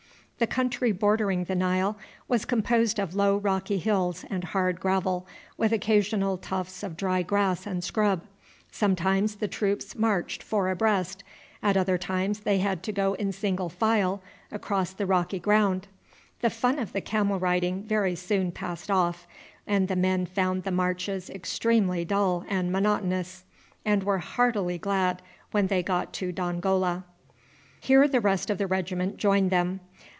The country bordering the Nile was composed of low rocky hills and hard gravel, with occasional tufts of dry grass and scrub. Sometimes the troops marched four abreast, at other times they had to go in single file across the rocky ground. The fun of the camel riding very soon passed off, and the men found the marches extremely dull and monotonous, and were heartily glad when they got to Dongola. Here the rest of the regiment joined them.